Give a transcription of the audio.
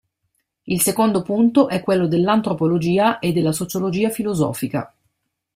Il secondo punto è quello dell’antropologia e della sociologia filosofica.